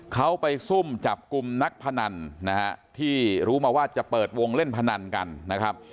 เขาไปซุ่มจับกลุ่มนักพนันนะฮะที่รู้มาว่าจะเปิดวงเล่นพนันกันนะครับ